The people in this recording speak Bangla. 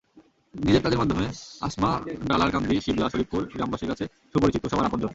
নিজের কাজের মাধ্যমে আসমা ডালারকান্দি, শিবলা, শরীফপুর গ্রামবাসীর কাছে সুপরিচিত, সবার আপনজন।